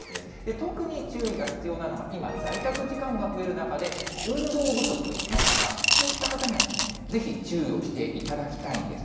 特に注意が必要なのは今、在宅時間が増える中で、運動不足の方、こういった方にはぜひ注意をしていただきたいんです。